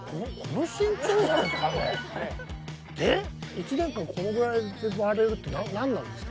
１年間このぐらいで回れるってなんなんですか？